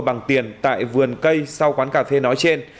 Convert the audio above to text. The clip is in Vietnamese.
bằng tiền tại vườn cây sau quán cà phê nói trên